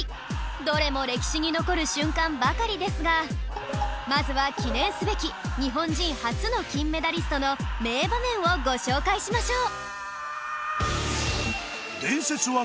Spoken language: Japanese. どれも歴史に残る瞬間ばかりですがまずは記念すべき日本人初の金メダリストの名場面をご紹介しましょう